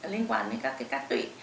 liên quan đến các cá tụy